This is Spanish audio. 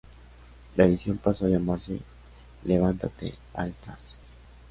La edición pasó a llamarse Levántate All Stars.